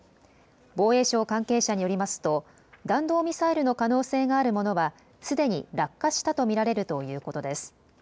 防衛省関係者によりますと弾道ミサイルの可能性があるものはすでに落下したと見られるということです。